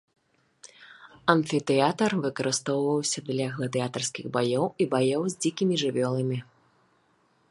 Амфітэатр выкарыстоўваўся для гладыятарскіх баёў і баёў з дзікімі жывёламі.